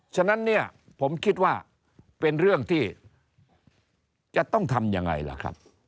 ฉะนั้นเนี่ยผมคิดว่าเป็นเรื่องที่จะต้องทำยังไงล่ะครับ